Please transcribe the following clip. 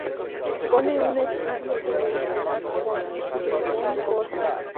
Pone un estudio en sociedad con Filemón Posse.